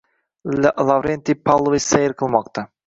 Lavrentiy Pavlovich sayr qilmoqda…